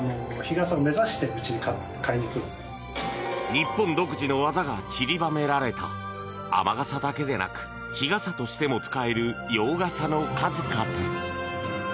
日本独自の技がちりばめられた雨傘だけでなく日傘としても使える洋傘の数々。